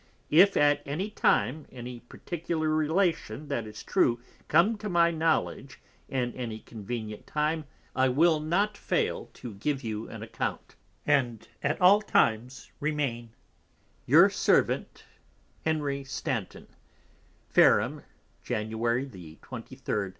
If at any time any particular Relation that is true, come to my knowledge in any convenient time, I will not fail to give you an Account, and at all times remain Fareham, Your Servant, January the 23_d.